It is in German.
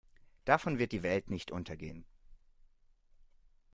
Davon wird die Welt nicht untergehen.